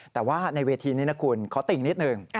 แต่ว่าในเวทีนี้นะคุณขอติ่งนิดหนึ่ง